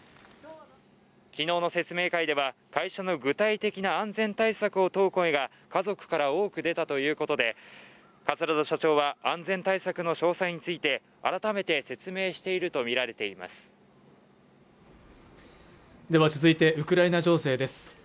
昨日の説明会では会社の具体的な安全対策を問う声が家族から多く出たということで桂田社長は安全対策の詳細について改めて説明していると見られていますでは続いてウクライナ情勢です